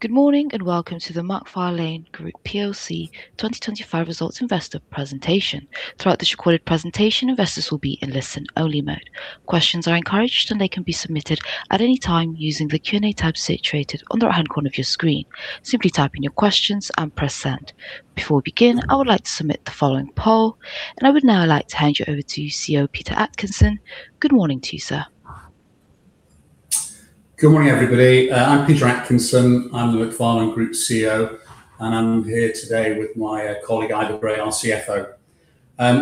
Good morning. Welcome to the Macfarlane Group PLC 2025 results investor presentation. Throughout this recorded presentation, investors will be in listen-only mode. Questions are encouraged. They can be submitted at any time using the Q&A tab situated on the right-hand corner of your screen. Simply type in your questions and press Send. Before we begin, I would like to submit the following poll. I would now like to hand you over to CEO Peter Atkinson. Good morning to you, sir. Good morning, everybody. I'm Peter Atkinson. I'm the Macfarlane Group CEO, and I'm here today with my colleague, Ivor Gray, our CFO.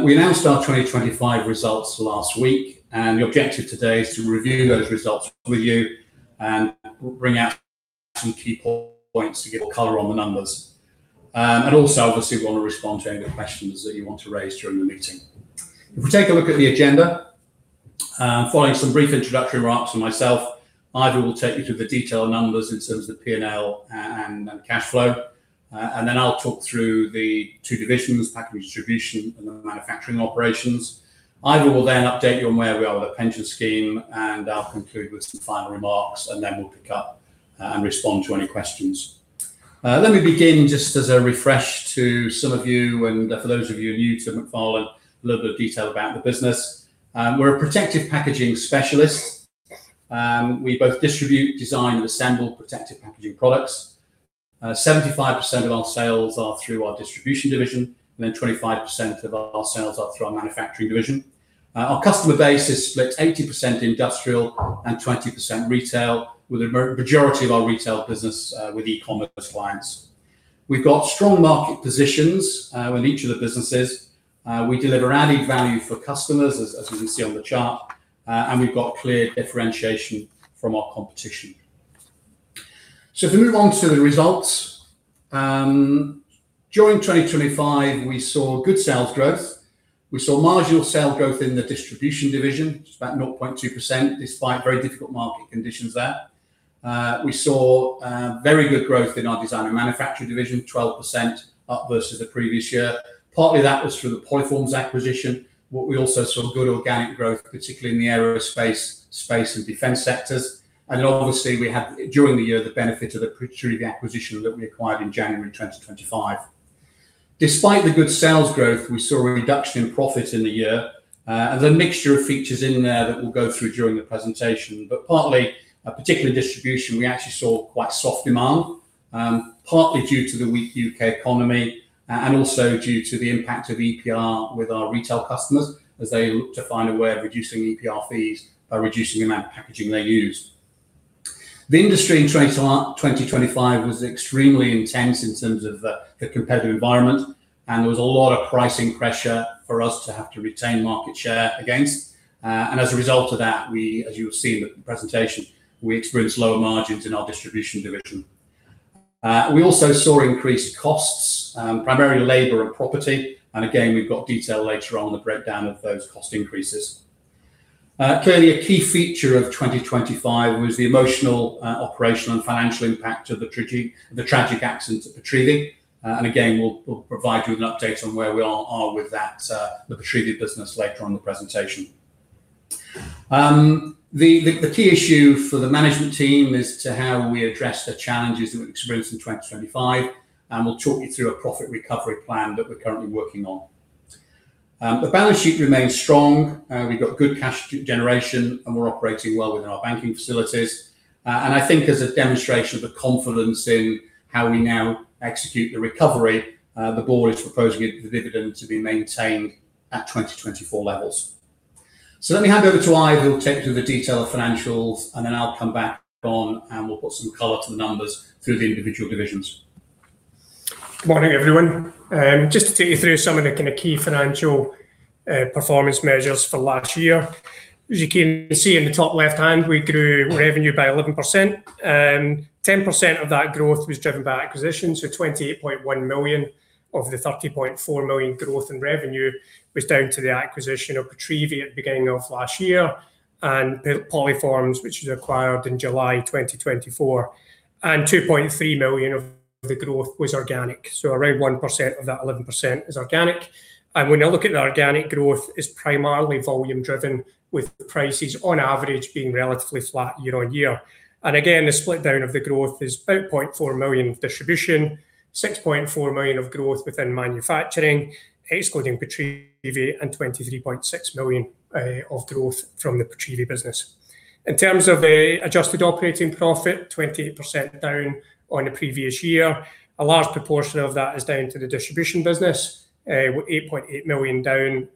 We announced our 2025 results last week, and the objective today is to review those results with you and bring out some key points to give color on the numbers. Also obviously want to respond to any of the questions that you want to raise during the meeting. If we take a look at the agenda, following some brief introductory remarks from myself, Ivor will take you through the detailed numbers in terms of the P&L and cash flow. Then I'll talk through the two divisions, packaging distribution and the manufacturing operations. Ivor will then update you on where we are with the pension scheme, I'll conclude with some final remarks, then we'll pick up and respond to any questions. Let me begin just as a refresh to some of you and for those of you new to Macfarlane, a little bit of detail about the business. We're a protective packaging specialist. We both distribute, design and assemble protective packaging products. 75% of our sales are through our distribution division, then 25% of our sales are through our manufacturing division. Our customer base is split 80% industrial and 20% retail, with the majority of our retail business with e-commerce clients. We've got strong market positions in each of the businesses. We deliver added value for customers, as you can see on the chart. We've got clear differentiation from our competition. If we move on to the results. During 2025 we saw good sales growth. We saw marginal sales growth in the distribution division, about 0.2%, despite very difficult market conditions there. We saw very good growth in our design and manufacturing division, 12% up versus the previous year. Partly that was through the Polyformes acquisition, but we also saw good organic growth, particularly in the aerospace, space and defense sectors. Obviously we had, during the year, the benefit of the Pitreavie acquisition that we acquired in January 2025. Despite the good sales growth, we saw a reduction in profit in the year. There are mixture of features in there that we'll go through during the presentation, but partly, particularly distribution, we actually saw quite soft demand, partly due to the weak U.K. economy and also due to the impact of EPR with our retail customers as they look to find a way of reducing EPR fees by reducing the amount of packaging they use. The industry in 2025 was extremely intense in terms of the competitive environment, and there was a lot of pricing pressure for us to have to retain market share against. As a result of that, we, as you will see in the presentation, we experienced lower margins in our distribution division. We also saw increased costs, primarily labor and property. Again, we've got detail later on the breakdown of those cost increases. Clearly a key feature of 2025 was the emotional, operational and financial impact of the tragic accident at Pitreavie. Again, we'll provide you with an update on where we are with that, the Pitreavie business later on in the presentation. The key issue for the management team is to how we address the challenges that we experienced in 2025, and we'll talk you through a profit recovery plan that we're currently working on. The balance sheet remains strong. We've got good cash generation, and we're operating well within our banking facilities. I think as a demonstration of the confidence in how we now execute the recovery, the board is proposing the dividend to be maintained at 2024 levels. Let me hand over to Ivor, who will take you through the detailed financials, and then I'll come back on, and we'll put some color to the numbers through the individual divisions. Morning, everyone. Just to take you through some of the kind of key financial performance measures for last year. As you can see in the top left-hand, we grew revenue by 11%. 10% of that growth was driven by acquisition, so 28.1 million of the 30.4 million growth in revenue was down to the acquisition of Pitreavie at the beginning of last year and the Polyformes, which was acquired in July 2024. 2.3 million of the growth was organic. Around 1% of that 11% is organic. When we look at the organic growth, it's primarily volume driven, with prices on average being relatively flat year on year. Again, the split down of the growth is about 0.4 million of distribution, 6.4 million of growth within manufacturing, excluding Pitreavie, and 23.6 million of growth from the Pitreavie business. In terms of Adjusted operating profit, 28% down on the previous year. A large proportion of that is down to the distribution business, with 8.8 million down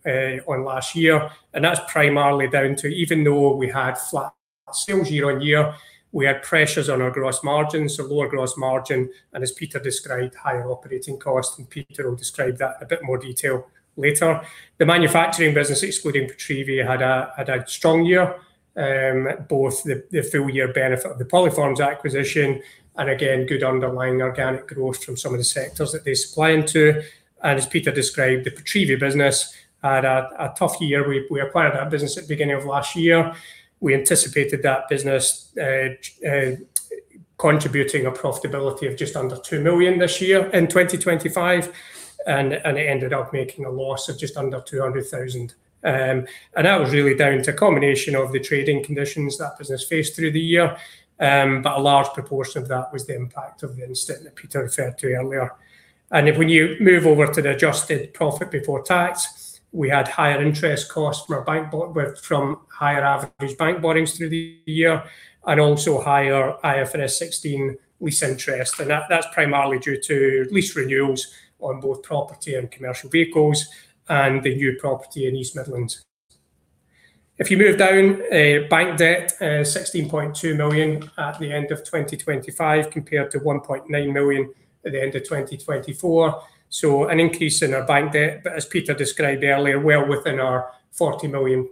on last year. That's primarily down to even though we had flat sales year-on-year, we had pressures on our gross margins, so lower gross margin and, as Peter described, higher operating costs, and Peter will describe that in a bit more detail later. The manufacturing business, excluding Pitreavie, had a strong year. Both the full year benefit of the Polyformes acquisition and again, good underlying organic growth from some of the sectors that they supply into. As Peter described, the Pitreavie business had a tough year. We acquired that business at the beginning of last year. We anticipated that business contributing a profitability of just under 2 million this year in 2025 and it ended up making a loss of just under 200,000. That was really down to a combination of the trading conditions that business faced through the year, but a large proportion of that was the impact of the incident that Peter referred to earlier. If when you move over to the Adjusted profit before tax, we had higher interest costs from our bank from higher average bank borrowings through the year and also higher IFRS 16 lease interest. That's primarily due to lease renewals on both property and commercial vehicles and the new property in East Midlands. If you move down, bank debt, 16.2 million at the end of 2025 compared to 1.9 million at the end of 2024. An increase in our bank debt, but as Peter described earlier, well within our 40 million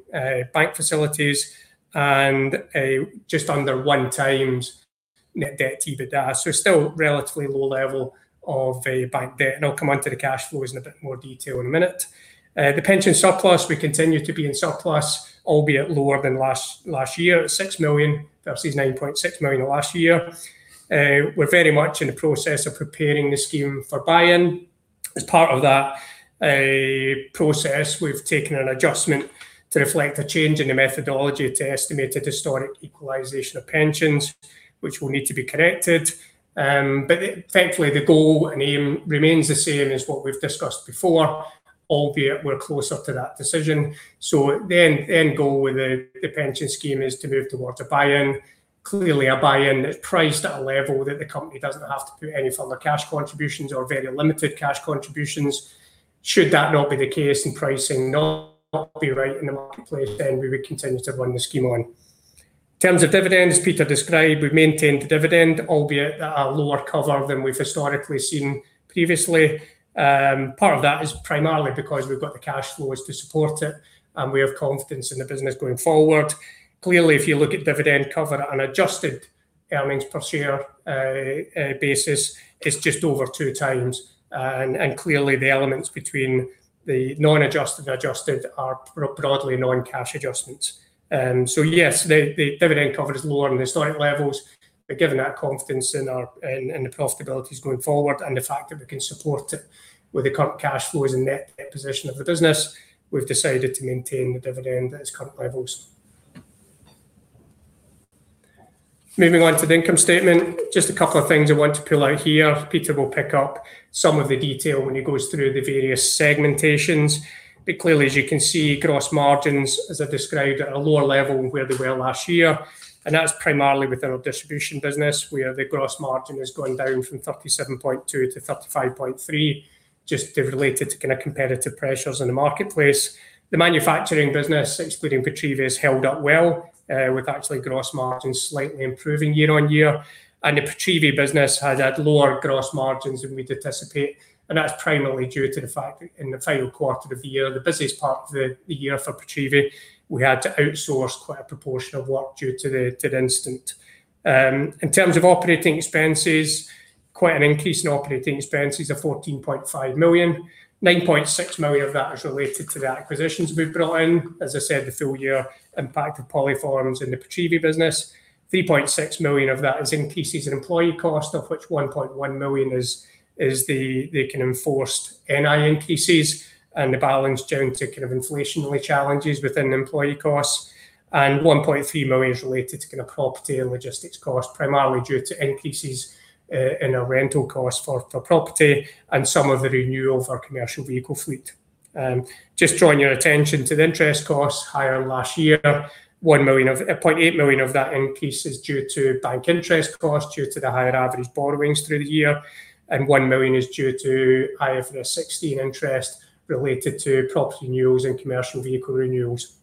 bank facilities and just under 1x Net debt to EBITDA. Still relatively low level of bank debt. I'll come on to the cash flows in a bit more detail in a minute. The pension surplus, we continue to be in surplus, albeit lower than last year at 6 million versus 9.6 million last year. We're very much in the process of preparing the scheme for buy-in. As part of that process, we've taken an adjustment to reflect a change in the methodology to estimate the historic equalization of pensions, which will need to be corrected. Thankfully the goal and aim remains the same as what we've discussed before, albeit we're closer to that decision. The end goal with the pension scheme is to move towards a buy-in. Clearly, a buy-in that's priced at a level that the company doesn't have to put any further cash contributions or very limited cash contributions. Should that not be the case and pricing not be right in the marketplace, then we would continue to run the scheme on. In terms of dividends, Peter described, we've maintained the dividend, albeit at a lower cover than we've historically seen previously. Part of that is primarily because we've got the cash flows to support it, and we have confidence in the business going forward. Clearly, if you look at dividend cover at an adjusted earnings per share basis, it's just over 2x. Clearly the elements between the non-adjusted, adjusted are broadly non-cash adjustments. Yes, the dividend cover is lower than historic levels, but given that confidence in our... in the profitability going forward and the fact that we can support it with the current cash flows and net debt position of the business, we've decided to maintain the dividend at its current levels. Moving on to the income statement, just a couple of things I want to pull out here. Peter will pick up some of the detail when he goes through the various segmentations. Clearly, as you can see, gross margins, as I described, are at a lower level than where they were last year. That's primarily within our distribution business, where the gross margin has gone down from 37.2% to 35.3% just related to kind of competitive pressures in the marketplace. The manufacturing business, excluding Pitreavie, has held up well, with actually gross margins slightly improving year on year. The Pitreavie business has had lower gross margins than we'd anticipate, and that's primarily due to the fact that in the final quarter of the year, the busiest part of the year for Pitreavie, we had to outsource quite a proportion of work due to the incident. In terms of operating expenses, quite an increase in operating expenses of 14.5 million. 9.6 million of that is related to the acquisitions we've brought in. As I said, the full year impact of Polyformes in the Pitreavie business. 3.6 million of that is increases in employee cost, of which 1.1 million is the kind of enforced NI increases and the balance down to kind of inflationary challenges within employee costs. 1.3 million is related to kind of property and logistics costs, primarily due to increases in our rental cost for property and some of the renewal of our commercial vehicle fleet. Just drawing your attention to the interest costs, higher than last year. 0.8 million of that increase is due to bank interest costs due to the higher average borrowings through the year, and 1 million is due to IFRS 16 interest related to property renewals and commercial vehicle renewals.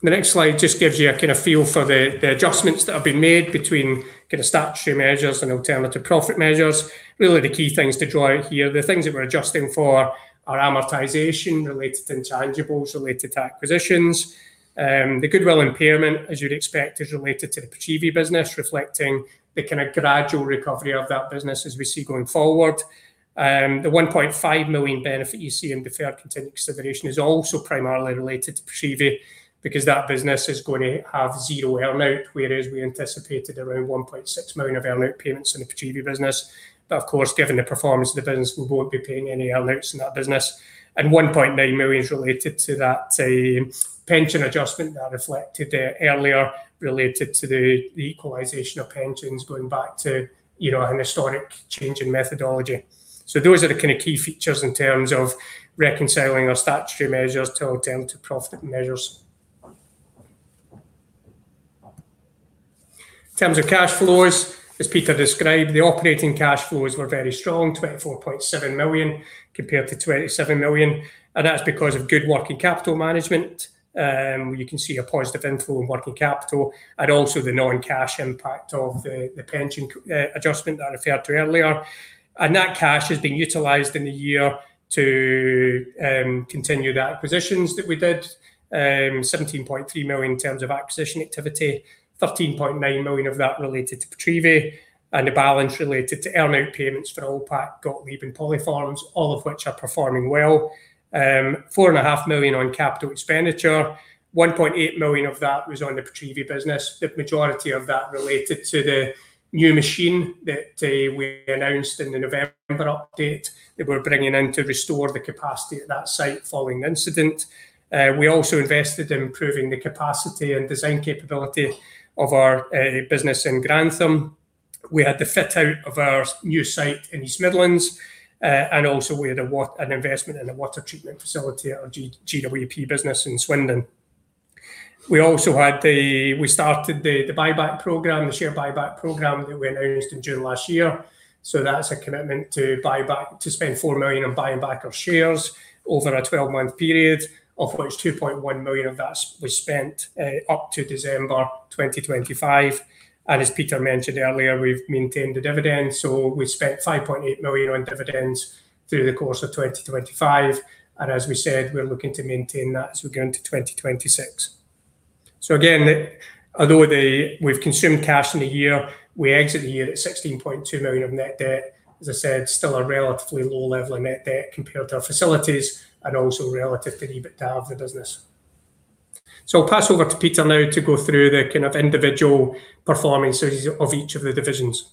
Sorry. The next slide just gives you a kind of feel for the adjustments that have been made between kind of statutory measures and alternative profit measures. Really the key things to draw out here, the things that we're adjusting for are amortization related to intangibles related to acquisitions. The goodwill impairment, as you'd expect, is related to the Pitreavie business, reflecting the kind of gradual recovery of that business as we see going forward. The 1.5 million benefit you see in deferred contingent consideration is also primarily related to Pitreavie because that business is going to have zero earn-out, whereas we anticipated around 1.6 million of earn-out payments in the Pitreavie business. Of course, given the performance of the business, we won't be paying any earn-outs in that business. 1.9 million is related to that pension adjustment that I reflected earlier related to the equalization of pensions going back to, you know, an historic change in methodology. Those are the kind of key features in terms of reconciling our statutory measures to alternative profit measures. In terms of cash flows, as Peter described, the operating cash flows were very strong, 24.7 million compared to 27 million, and that's because of good working capital management. You can see a positive inflow in working capital and also the non-cash impact of the pension adjustment that I referred to earlier. That cash has been utilized in the year to continued acquisitions that we did, 17.3 million in terms of acquisition activity, 13.9 million of that related to Pitreavie, and the balance related to earn-out payments for Allpack, Gottlieb, and Polyformes, all of which are performing well. four and a half million on capital expenditure, 1.8 million of that was on the Pitreavie business. The majority of that related to the new machine that we announced in the November update that we're bringing in to restore the capacity at that site following the incident. We also invested in improving the capacity and design capability of our business in Grantham. We had the fit-out of our new site in East Midlands, and also we had an investment in a water treatment facility at our GWP business in Swindon. We also started the buyback program, the share buyback program that we announced in June last year. That's a commitment to buy back, to spend 4 million on buying back our shares over a 12-month period, of which 2.1 million of that was spent up to December 2025. As Peter mentioned earlier, we've maintained the dividend. We spent 5.8 million on dividends through the course of 2025. As we said, we're looking to maintain that as we go into 2026. Again, although we've consumed cash in the year, we exit the year at 16.2 million of net debt. As I said, still a relatively low level of net debt compared to our facilities and also relative to the EBITDA of the business. I'll pass over to Peter now to go through the kind of individual performances of each of the divisions.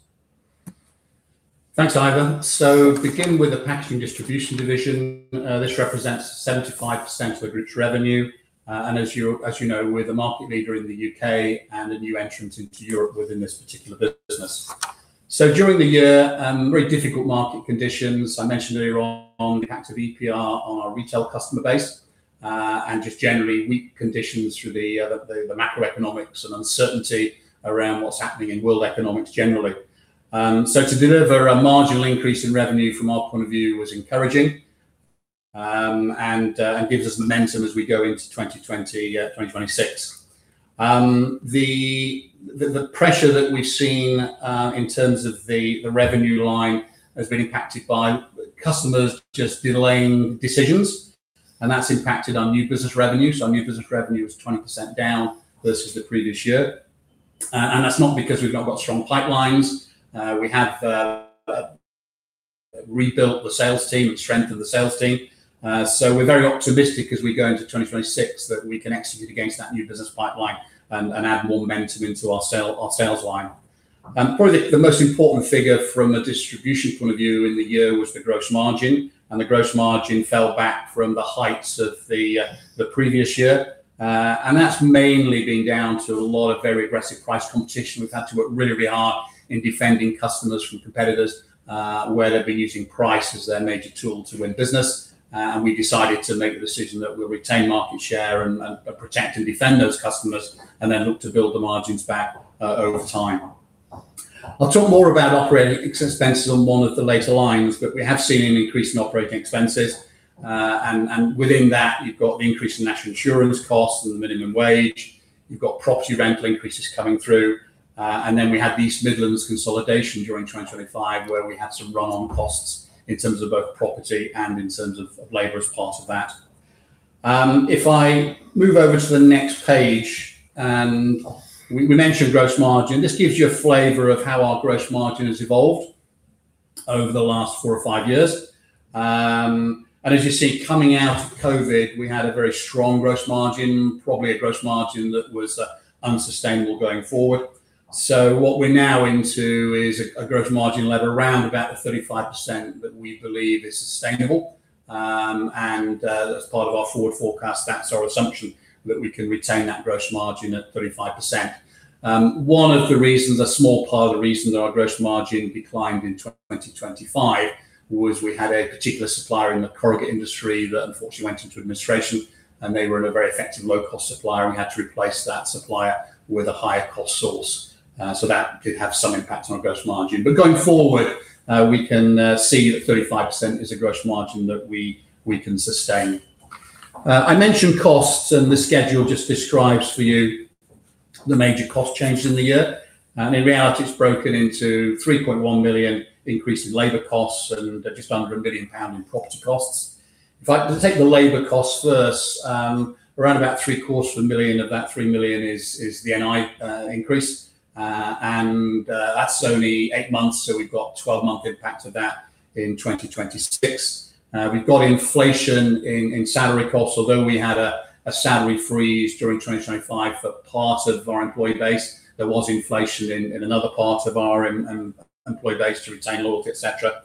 Thanks, Ivor. Begin with the packaging distribution division. This represents 75% of the group's revenue. As you know, we're the market leader in the UK and a new entrant into Europe within this particular business. During the year, very difficult market conditions. I mentioned earlier on the impact of EPR on our retail customer base, and just generally weak conditions through the macroeconomics and uncertainty around what's happening in world economics generally. To deliver a marginal increase in revenue from our point of view was encouraging, and gives us momentum as we go into 2026. The pressure that we've seen in terms of the revenue line has been impacted by customers just delaying decisions, and that's impacted our new business revenue. Our new business revenue is 20% down versus the previous year, and that's not because we've not got strong pipelines. We have rebuilt the sales team and strengthened the sales team. We're very optimistic as we go into 2026 that we can execute against that new business pipeline and add more momentum into our sales line. Probably the most important figure from a distribution point of view in the year was the gross margin, and the gross margin fell back from the heights of the previous year. That's mainly been down to a lot of very aggressive price competition. We've had to work really, really hard in defending customers from competitors, where they've been using price as their major tool to win business. And we decided to make the decision that we'll retain market share and protect and defend those customers and then look to build the margins back over time. I'll talk more about operating expenses on one of the later lines, but we have seen an increase in operating expenses. And within that, you've got the increase in National Insurance costs and the minimum wage. You've got property rent increases coming through. And then we had the East Midlands consolidation during 2025, where we had some run-on costs in terms of both property and in terms of labor as part of that. If I move over to the next page, we mentioned gross margin. This gives you a flavor of how our gross margin has evolved over the last four or five years. As you see, coming out of COVID, we had a very strong gross margin, probably a gross margin that was unsustainable going forward. What we're now into is a gross margin level around about the 35% that we believe is sustainable. As part of our forward forecast, that's our assumption, that we can retain that gross margin at 35%. One of the reasons, a small part of the reason that our gross margin declined in 2025 was we had a particular supplier in the corrugate industry that unfortunately went into administration, and they were a very effective low-cost supplier, and we had to replace that supplier with a higher-cost source. That did have some impact on our gross margin. Going forward, we can see that 35% is a gross margin that we can sustain. I mentioned costs, the schedule just describes for you the major cost changes in the year. In reality, it's broken into 3.1 million increase in labor costs and just under 1 million pound in property costs. If I was to take the labor cost first, around about three-quarters of a million of that 3 million is the NI increase. That's only 8 months, so we've got 12-month impact of that in 2026. We've got inflation in salary costs. Although we had a salary freeze during 2025 for part of our employee base, there was inflation in another part of our employee base to retain law, et cetera.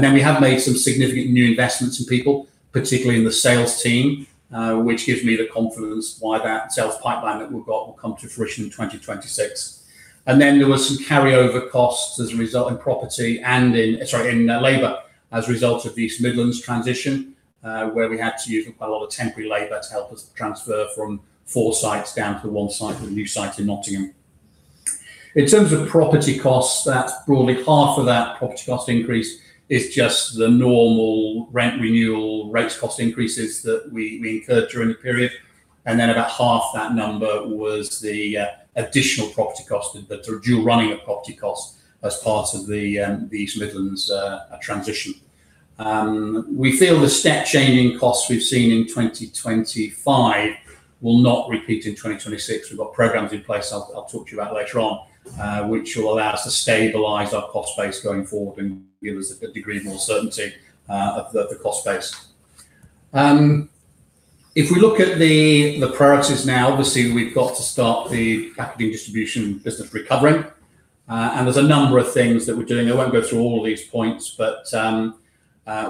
We have made some significant new investments in people, particularly in the sales team, which gives me the confidence why that sales pipeline that we've got will come to fruition in 2026. There were some carryover costs as a result in property and in, sorry, in labor as a result of the East Midlands transition, where we had to use quite a lot of temporary labor to help us transfer from four sites down to one site with a new site in Nottingham. In terms of property costs, that's broadly half of that property cost increase is just the normal rent renewal rate cost increases that we incurred during the period. About half that number was the additional property cost, the dual running of property costs as part of the East Midlands transition. We feel the step changing costs we've seen in 2025 will not repeat in 2026. We've got programs in place I'll talk to you about later on, which will allow us to stabilize our cost base going forward and give us a degree of more certainty of the cost base. If we look at the priorities now, obviously, we've got to start the packaging distribution business recovering. There's a number of things that we're doing. I won't go through all of these points, but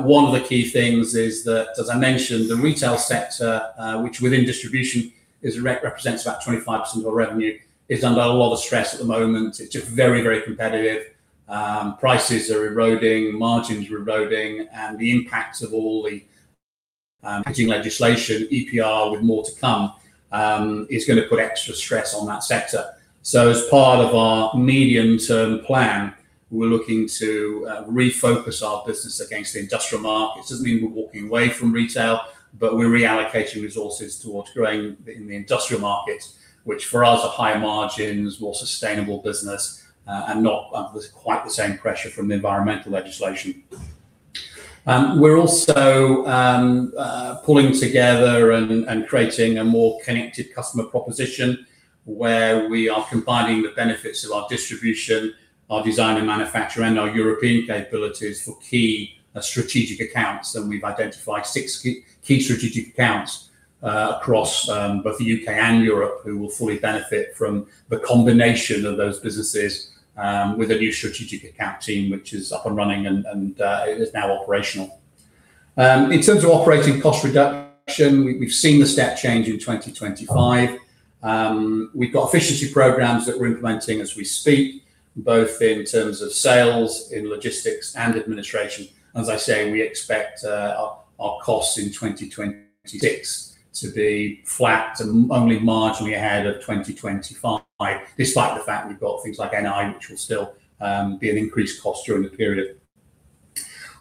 one of the key things is that, as I mentioned, the retail sector, which within distribution represents about 25% of our revenue, is under a lot of stress at the moment. It's just very, very competitive. Prices are eroding, margins are eroding, and the impact of all the packaging legislation, EPR with more to come, is gonna put extra stress on that sector. As part of our medium-term plan, we're looking to refocus our business against the industrial markets. Doesn't mean we're walking away from retail, but we're reallocating resources towards growing in the industrial markets, which for us are higher margins, more sustainable business, and not quite the same pressure from the environmental legislation. We're also pulling together and creating a more connected customer proposition where we are combining the benefits of our distribution, our design and manufacture, and our European capabilities for key strategic accounts. We've identified six key strategic accounts across both the UK and Europe who will fully benefit from the combination of those businesses with a new strategic account team which is up and running and is now operational. In terms of operating cost reduction, we've seen the step change in 2025. We've got efficiency programs that we're implementing as we speak, both in terms of sales, in logistics, and administration. As I say, we expect our costs in 2026 to be flat and only marginally ahead of 2025, despite the fact we've got things like NI, which will still be an increased cost during the period.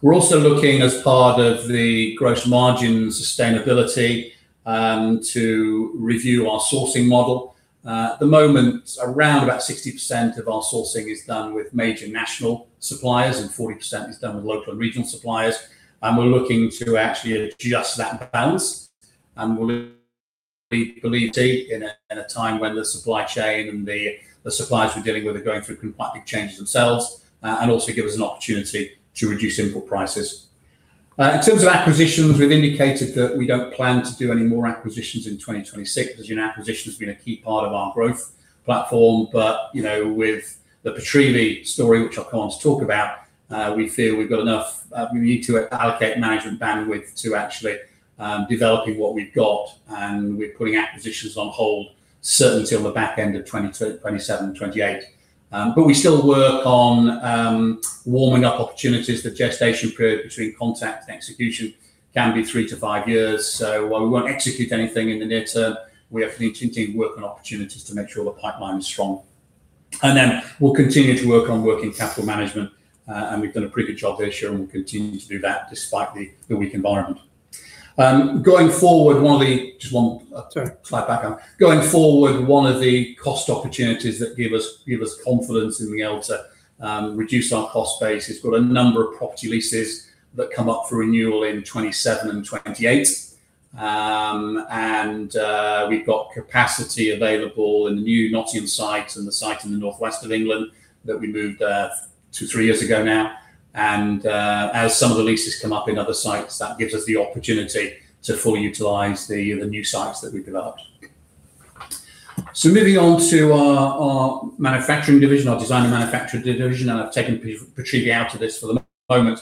We're also looking as part of the gross margin sustainability to review our sourcing model. At the moment around about 60% of our sourcing is done with major national suppliers, and 40% is done with local and regional suppliers. We're looking to actually adjust that balance, and we believe deeply in a time when the supply chain and the suppliers we're dealing with are going through quite big changes themselves, and also give us an opportunity to reduce input prices. In terms of acquisitions, we've indicated that we don't plan to do any more acquisitions in 2026. As you know, acquisition has been a key part of our growth platform. You know, with the Pitreavie story, which I can't talk about, we feel we've got enough, we need to allocate management bandwidth to actually developing what we've got, and we're putting acquisitions on hold certainly till the back end of 2027, 2028. We still work on warming up opportunities. The gestation period between contact and execution can be 3 to 5 years. While we won't execute anything in the near term, we have to continue to work on opportunities to make sure the pipeline is strong. Then we'll continue to work on working capital management, and we've done a pretty good job this year, and we'll continue to do that despite the weak environment. Going forward, one of the. Just one slide back. Going forward, one of the cost opportunities that give us confidence in being able to reduce our cost base, we've got a number of property leases that come up for renewal in 2027 and 2028. We've got capacity available in the new Nottingham site and the site in the northwest of England that we moved 2, 3 years ago now. As some of the leases come up in other sites, that gives us the opportunity to fully utilize the new sites that we've developed. Moving on to our manufacturing division, our design and manufacturing division, I've taken Pitreavie out of this for the moment.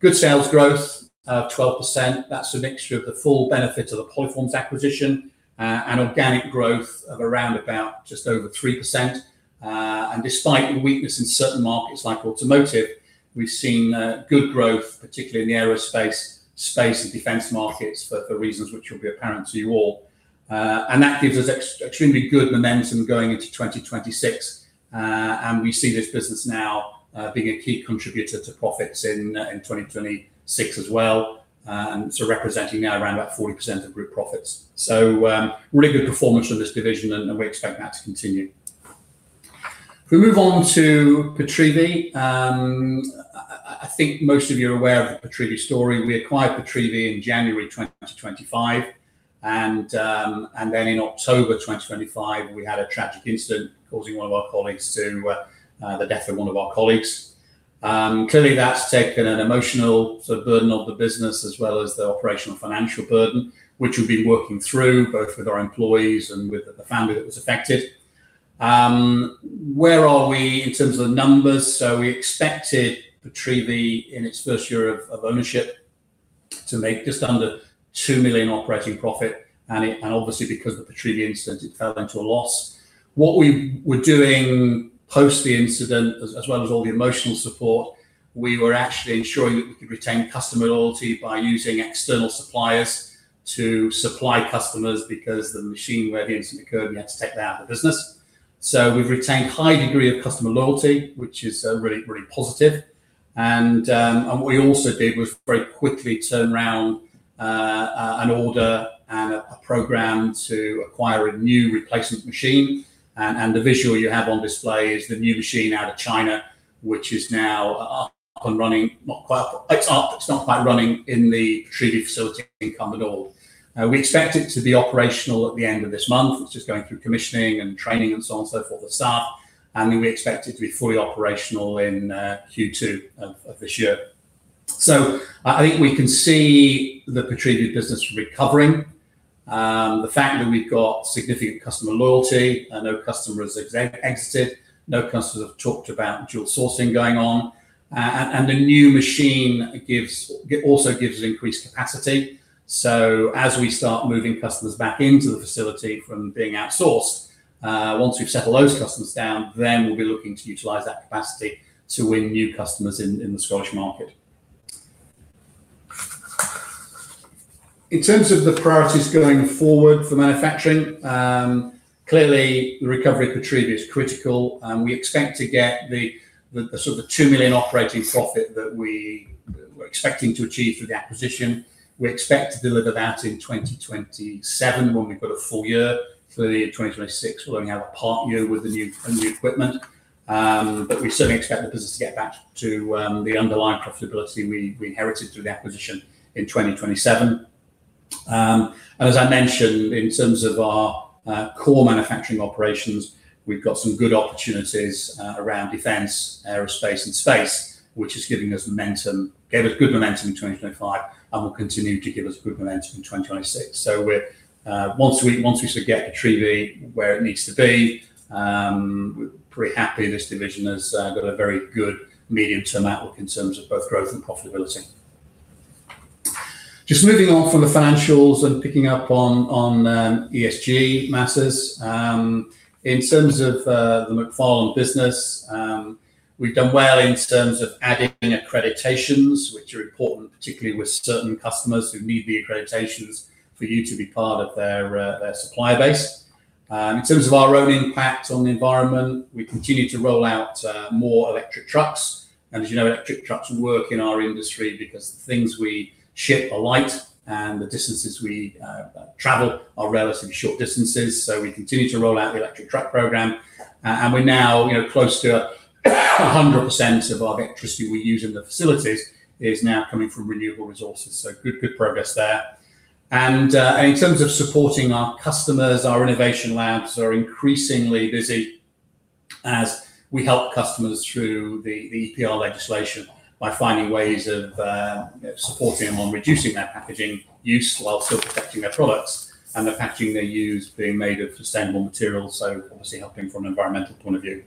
Good sales growth of 12%. That's a mixture of the full benefit of the Polyformes acquisition and organic growth of around about just over 3%. And despite the weakness in certain markets like automotive, we've seen good growth, particularly in the aerospace, space, and defense markets for reasons which will be apparent to you all. And that gives us extremely good momentum going into 2026. And we see this business now being a key contributor to profits in 2026 as well. So representing now around about 40% of group profits. So, really good performance from this division and we expect that to continue. If we move on to Pitreavie, I think most of you are aware of the Pitreavie story. We acquired Pitreavie in January 2025, and in October 2025, we had a tragic incident causing one of our colleagues to the death of one of our colleagues. Clearly, that's taken an emotional sort of burden off the business as well as the operational financial burden, which we've been working through both with our employees and with the family that was affected. Where are we in terms of the numbers? We expected Pitreavie in its first year of ownership to make just under 2 million operating profit, and obviously because of the Pitreavie incident, it fell into a loss. What we were doing post the incident as well as all the emotional support, we were actually ensuring that we could retain customer loyalty by using external suppliers to supply customers because the machine where the incident occurred, we had to take that out of the business. We've retained high degree of customer loyalty, which is really, really positive. What we also did was very quickly turn around an order and a program to acquire a new replacement machine. The visual you have on display is the new machine out of China, which is now up and running. Not quite up. It's not quite running in the Pitreavie facility in Cumbernauld. We expect it to be operational at the end of this month. It's just going through commissioning and training and so on and so forth for staff. We expect it to be fully operational in Q2 of this year. I think we can see the Pitreavie business recovering. The fact that we've got significant customer loyalty and no customer has exited, no customer have talked about dual sourcing going on. The new machine also gives us increased capacity. As we start moving customers back into the facility from being outsourced, once we've settled those customers down, then we'll be looking to utilize that capacity to win new customers in the Scottish market. In terms of the priorities going forward for manufacturing, clearly the recovery of Pitreavie is critical, and we expect to get the sort of 2 million operating profit that we were expecting to achieve through the acquisition. We expect to deliver that in 2027 when we've got a full year. For 2026, we'll only have a part year with the new equipment. We certainly expect the business to get back to the underlying profitability we inherited through the acquisition in 2027. As I mentioned, in terms of our core manufacturing operations, we've got some good opportunities around defense, aerospace and space, which is giving us momentum, gave us good momentum in 2025 and will continue to give us good momentum in 2026. We're once we sort of get Pitreavie where it needs to be, we're pretty happy this division has got a very good medium-term outlook in terms of both growth and profitability. Just moving on from the financials and picking up on ESG matters. In terms of the Macfarlane Group, we've done well in terms of adding accreditations, which are important, particularly with certain customers who need the accreditations for you to be part of their supplier base. In terms of our own impact on the environment, we continue to roll out more electric trucks. As you know, electric trucks work in our industry because the things we ship are light and the distances we travel are relatively short distances. We continue to roll out the electric truck program. We're now, you know, close to 100% of our electricity we use in the facilities is now coming from renewable resources. Good, good progress there. In terms of supporting our customers, our Innovation Lab are increasingly busy as we help customers through the EPR legislation by finding ways of, you know, supporting them on reducing their packaging use while still protecting their products. The packaging they use being made of sustainable materials, so obviously helping from an environmental point of view.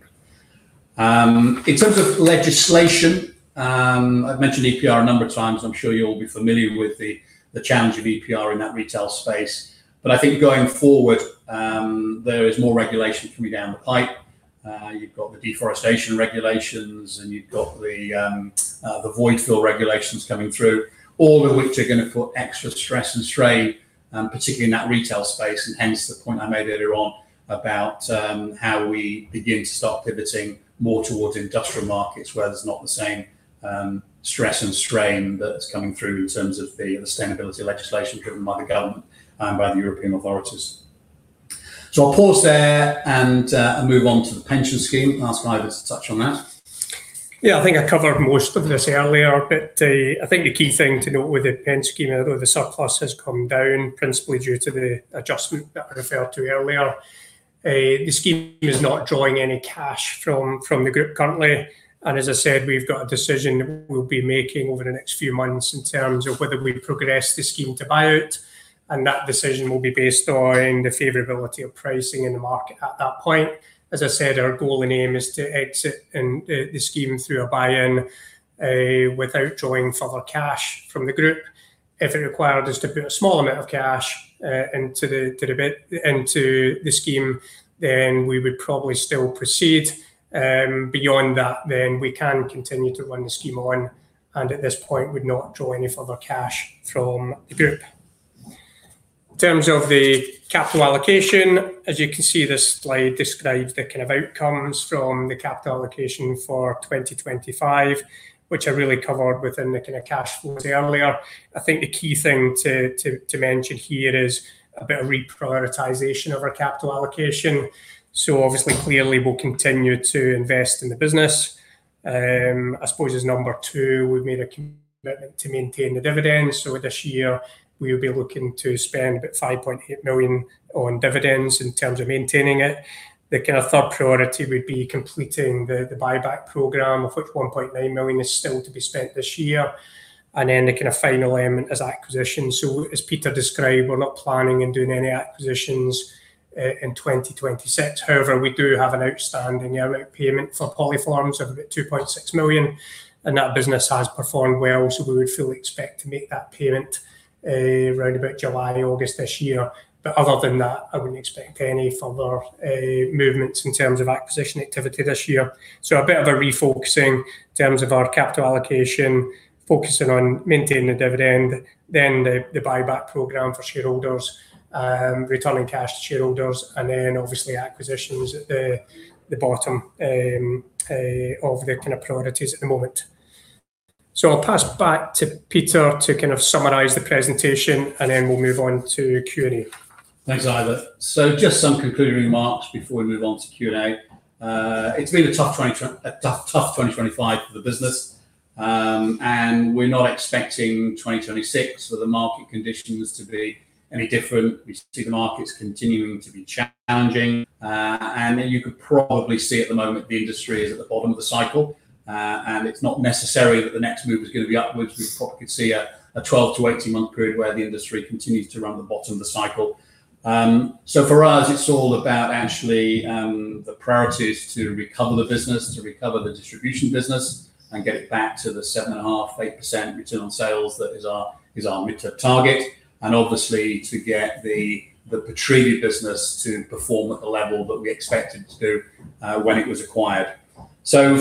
In terms of legislation, I've mentioned EPR a number of times. I'm sure you'll all be familiar with the challenge of EPR in that retail space. I think going forward, there is more regulation coming down the pipe. You've got the deforestation regulations, and you've got the void fill regulations coming through, all of which are gonna put extra stress and strain, particularly in that retail space. Hence the point I made earlier on about how we begin to start pivoting more towards industrial markets where there's not the same stress and strain that's coming through in terms of the sustainability legislation driven by the government and by the European authorities. I'll pause there and move on to the pension scheme and ask Ivor to touch on that. I think I covered most of this earlier, but I think the key thing to note with the pension scheme, although the surplus has come down principally due to the adjustment that I referred to earlier, the scheme is not drawing any cash from the group currently. As I said, we've got a decision that we'll be making over the next few months in terms of whether we progress the scheme to buyout. That decision will be based on the favorability of pricing in the market at that point. As I said, our goal and aim is to exit the scheme through a buy-in without drawing further cash from the group. If it required us to put a small amount of cash into the scheme, then we would probably still proceed. Beyond that, we can continue to run the scheme on, at this point would not draw any further cash from the group. In terms of the capital allocation, as you can see, this slide describes the kind of outcomes from the capital allocation for 2025, which I really covered within the kind of cash flows earlier. I think the key thing to mention here is a bit of reprioritization of our capital allocation. Obviously, clearly we'll continue to invest in the business. I suppose as number two, we've made a commitment to maintain the dividend. This year we'll be looking to spend about 5.8 million on dividends in terms of maintaining it. The kind of third priority would be completing the buyback program, of which 1.9 million is still to be spent this year. Then the kind of final element is acquisition. As Peter described, we're not planning on doing any acquisitions in 2026. However, we do have an outstanding amount payment for Polyformes of about 2.6 million, and that business has performed well, so we would fully expect to make that payment around about July, August this year. Other than that, I wouldn't expect any further movements in terms of acquisition activity this year. A bit of a refocusing in terms of our capital allocation, focusing on maintaining the dividend, then the buyback program for shareholders, returning cash to shareholders, then obviously acquisitions at the bottom of the kind of priorities at the moment. I'll pass back to Peter to kind of summarize the presentation, then we'll move on to Q&A. Thanks, Ivor. Just some concluding remarks before we move on to Q&A. It's been a tough 2025 for the business. We're not expecting 2026 for the market conditions to be any different. We see the markets continuing to be challenging. You could probably see at the moment the industry is at the bottom of the cycle, and it's not necessary that the next move is gonna be upwards. We probably could see a 12 to 18-month period where the industry continues to run the bottom of the cycle. For us, it's all about actually, the priorities to recover the business, to recover the distribution business and get it back to the seven and a half, eight percent return on sales that is our midterm target. Obviously to get the Pitreavie business to perform at the level that we expect it to do when it was acquired.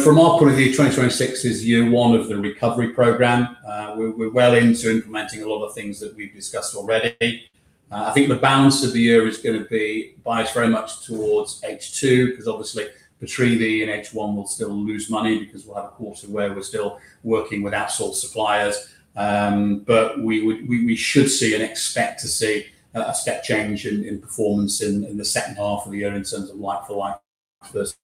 From our point of view, 2026 is year one of the recovery program. We're well into implementing a lot of the things that we've discussed already. I think the balance of the year is gonna be biased very much towards H2, 'cause obviously Pitreavie in H1 will still lose money because we'll have a quarter where we're still working with outsourced suppliers. We should see and expect to see a step change in performance in the second half of the year in terms of like-for-like versus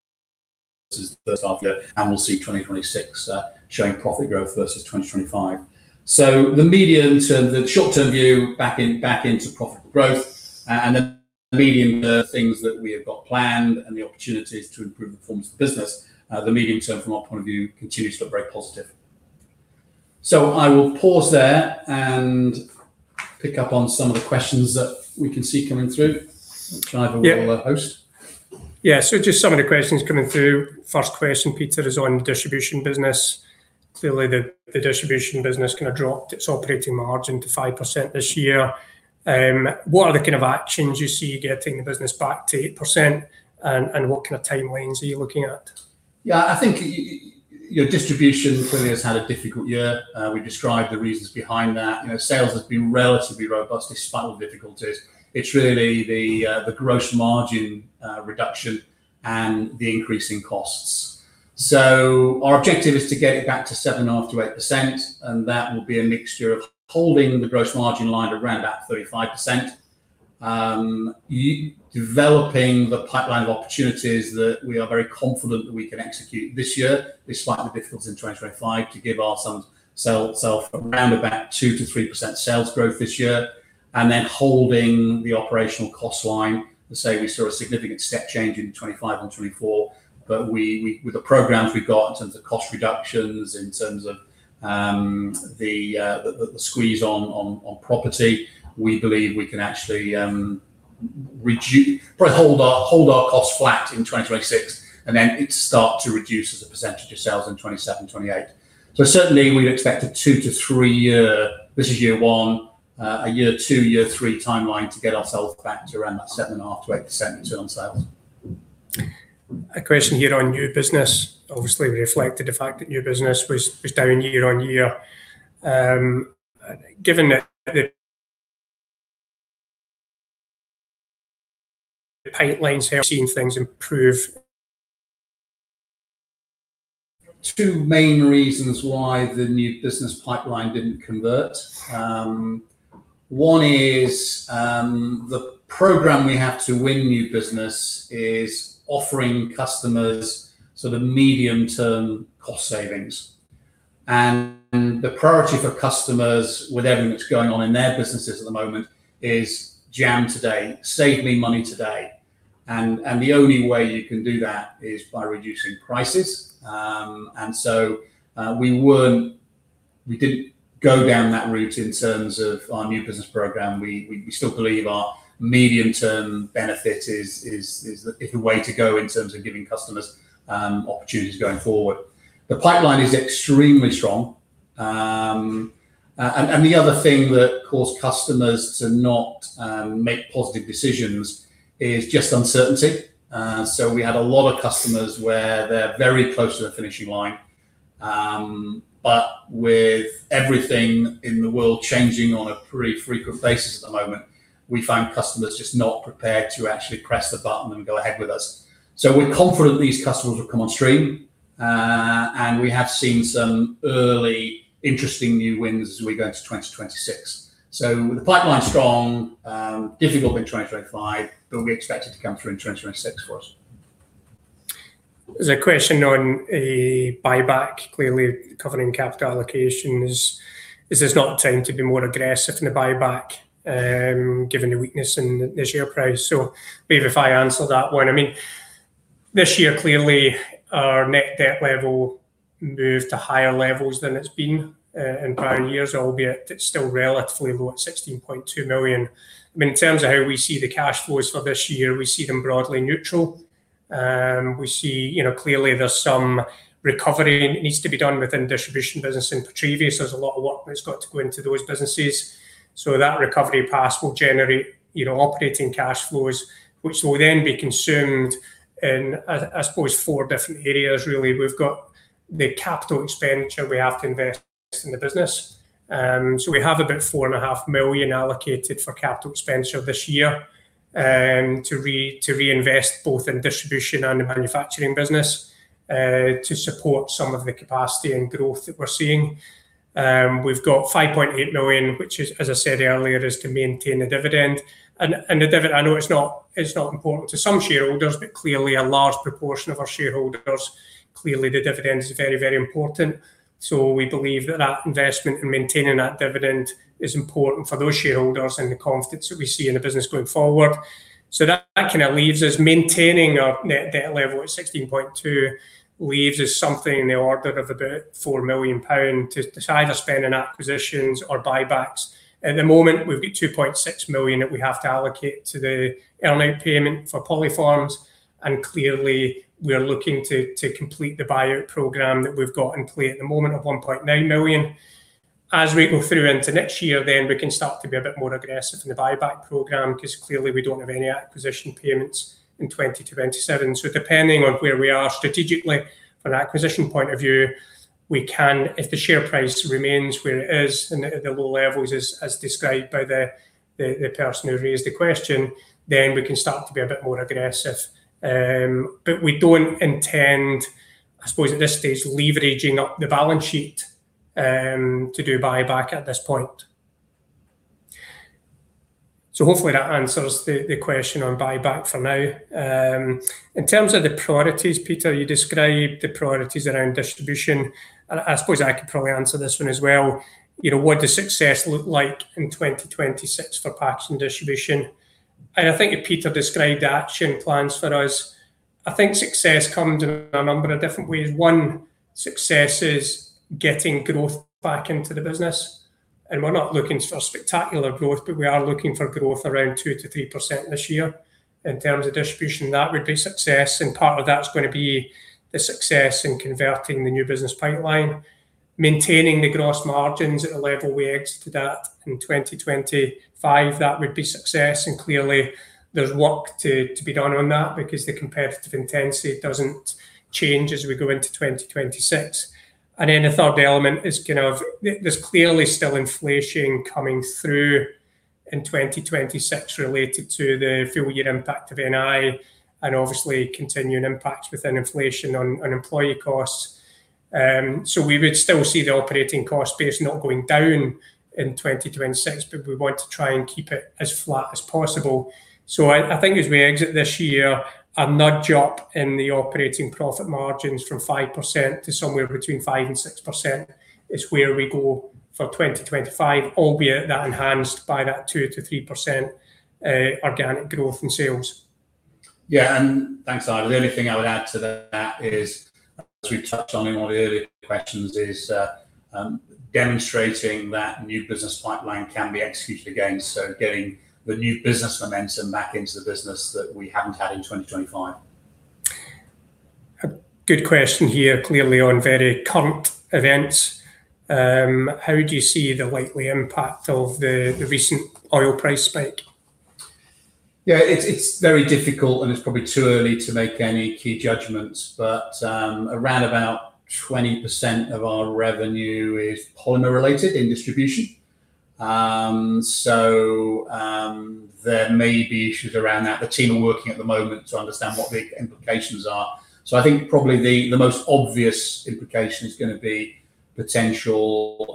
the first half year. We'll see 2026 showing profit growth versus 2025. The medium term, the short-term view back in, back into profitable growth and then the medium term things that we have got planned and the opportunities to improve performance of the business, the medium term from our point of view continues to look very positive. I will pause there and pick up on some of the questions that we can see coming through, which Ivor will host. Yeah. Just some of the questions coming through. First question, Peter, is on distribution business. Clearly, the distribution business kinda dropped its operating margin to 5% this year. What are the kind of actions you see getting the business back to 8%, and what kind of timelines are you looking at? I think your distribution clearly has had a difficult year. We described the reasons behind that. You know, sales has been relatively robust despite all the difficulties. It's really the gross margin reduction and the increase in costs. Our objective is to get it back to 7.5%-8%, and that will be a mixture of holding the gross margin line at around about 35%, developing the pipeline of opportunities that we are very confident that we can execute this year, despite the difficulties in 2025, to give ourselves around about 2%-3% sales growth this year, and then holding the operational cost line. I say, we saw a significant step change in 2025 and 2024. We with the programs we've got in terms of cost reductions, in terms of the squeeze on property, we believe we can actually probably hold our costs flat in 2026 and then it start to reduce as a percentage of sales in 2027, 2028. Certainly, we'd expect a 2-3 year, this is year one, year two, year three timeline to get ourself back to around that 7.5%-8% return on sales. A question here on new business. Obviously, we reflected the fact that new business was down year-on-year. Given that the pipelines have seen things improve. Two main reasons why the new business pipeline didn't convert. One is, the program we have to win new business is offering customers sort of medium-term cost savings. The priority for customers with everything that's going on in their businesses at the moment is jam today, save me money today. The only way you can do that is by reducing prices. We didn't go down that route in terms of our new business program. We still believe our medium-term benefit is the way to go in terms of giving customers opportunities going forward. The pipeline is extremely strong. The other thing that caused customers to not make positive decisions is just uncertainty. We had a lot of customers where they're very close to the finishing line, but with everything in the world changing on a pretty frequent basis at the moment, we found customers just not prepared to actually press the button and go ahead with us. We're confident these customers will come on stream. We have seen some early interesting new wins as we go into 2026. The pipeline's strong, difficult in 2025, but we expect it to come through in 2026 for us. There's a question on a buyback, clearly covering capital allocation. Is this not the time to be more aggressive in the buyback, given the weakness in the share price? Maybe if I answer that one. I mean, this year, clearly our net debt level moved to higher levels than it's been in prior years, albeit it's still relatively low at 16.2 million. I mean, in terms of how we see the cash flows for this year, we see them broadly neutral. We see, you know, clearly there's some recovery needs to be done within distribution business and Pitreavie. There's a lot of work that's got to go into those businesses. That recovery pass will generate, you know, operating cash flows, which will then be consumed in, I suppose 4 different areas really. We've got the capital expenditure we have to invest in the business. We have about 4.5 million allocated for capital expenditure this year to reinvest both in distribution and the manufacturing business to support some of the capacity and growth that we're seeing. We've got 5.8 million, which is, as I said earlier, is to maintain the dividend. The dividend, I know it's not important to some shareholders, clearly a large proportion of our shareholders, clearly the dividend is very, very important. We believe that that investment in maintaining that dividend is important for those shareholders and the confidence that we see in the business going forward. That kind of leaves us maintaining our net debt level at 16.2, leaves us something in the order of about 4 million pounds to either spend on acquisitions or buybacks. At the moment, we've got 2.6 million that we have to allocate to the earn-out payment for Polyformes, and clearly we are looking to complete the buyout program that we've got in play at the moment of 1.9 million. As we go through into next year, we can start to be a bit more aggressive in the buyback program because clearly we don't have any acquisition payments in 2020-2027. Depending on where we are strategically from an acquisition point of view, we can, if the share price remains where it is and at the low levels as described by the person who raised the question, then we can start to be a bit more aggressive. We don't intend, I suppose at this stage, leveraging up the balance sheet to do buyback at this point. Hopefully that answers the question on buyback for now. In terms of the priorities, Peter, you described the priorities around distribution. I suppose I could probably answer this one as well. You know, what does success look like in 2026 for Packaging Distribution? I think Peter described the action plans for us. I think success comes in a number of different ways. One, success is getting growth back into the business. We're not looking for spectacular growth, but we are looking for growth around 2%-3% this year. In terms of distribution, that would be success. Part of that's gonna be the success in converting the new business pipeline, maintaining the gross margins at the level we exited at in 2025, that would be success. Clearly there's work to be done on that because the competitive intensity doesn't change as we go into 2026. The third element is kind of, there's clearly still inflation coming through in 2026 related to the full year impact of NI and obviously continuing impacts within inflation on employee costs. We would still see the operating cost base not going down in 2026, but we want to try and keep it as flat as possible. I think as we exit this year, a nudge up in the operating profit margins from 5% to somewhere between 5% and 6% is where we go for 2025, albeit that enhanced by that 2%-3% organic growth in sales. Yeah. Thanks, Ivor. The only thing I would add to that is, as we touched on in one of the earlier questions, is demonstrating that new business pipeline can be executed again, so getting the new business momentum back into the business that we haven't had in 2025. A good question here, clearly on very current events. How do you see the likely impact of the recent oil price spike? Yeah, it's very difficult. It's probably too early to make any key judgments, but around about 20% of our revenue is polymer related in distribution. There may be issues around that. The team are working at the moment to understand what the implications are. I think probably the most obvious implication is gonna be potential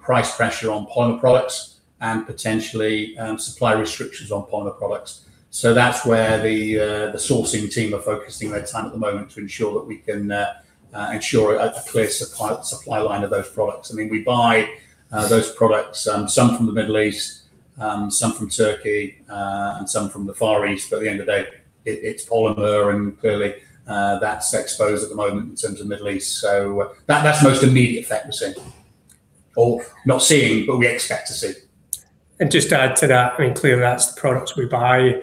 price pressure on polymer products and potentially supply restrictions on polymer products. That's where the sourcing team are focusing their time at the moment to ensure that we can ensure a clear supply line of those products. I mean, we buy those products, some from the Middle East, some from Turkey, and some from the Far East. At the end of the day, it's polymer, and clearly, that's exposed at the moment in terms of Middle East. That's the most immediate effect we're seeing, or not seeing, but we expect to see. Just to add to that, I mean, clearly that's the products we buy.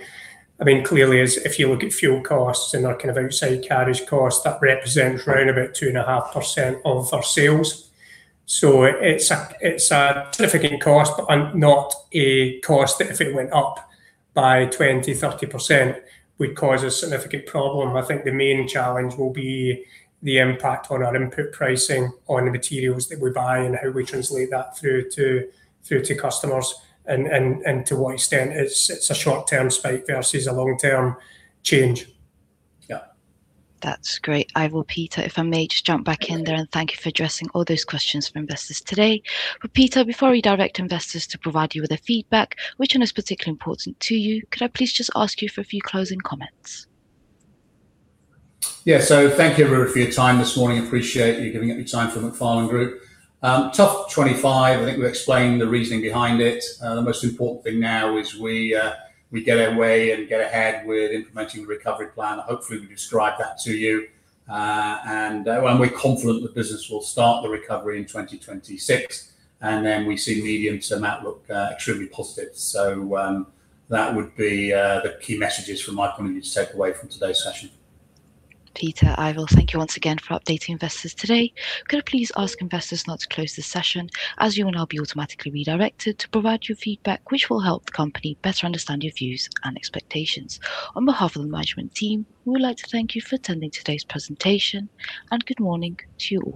I mean, clearly if you look at fuel costs and that kind of outside carriage cost, that represents around about 2.5% of our sales. It's a significant cost, but not a cost that if it went up by 20%, 30% would cause a significant problem. I think the main challenge will be the impact on our input pricing on the materials that we buy and how we translate that through to customers and to what extent it's a short-term spike versus a long-term change. Yeah. That's great. Ivor, Peter, if I may just jump back in there and thank you for addressing all those questions from investors today. Peter, before we direct investors to provide you with their feedback, which one is particularly important to you, could I please just ask you for a few closing comments? Yeah. Thank you everyone for your time this morning. Appreciate you giving up your time for Macfarlane Group. Top 25, I think we explained the reasoning behind it. The most important thing now is we get our way and get ahead with implementing the recovery plan. Hopefully, we described that to you. We're confident the business will start the recovery in 2026, and then we see medium-term outlook extremely positive. That would be the key messages from my point of view to take away from today's session. Peter, Ivor, thank you once again for updating investors today. Could I please ask investors now to close this session, as you will now be automatically redirected to provide your feedback, which will help the company better understand your views and expectations. On behalf of the management team, we would like to thank you for attending today's presentation. Good morning to you all.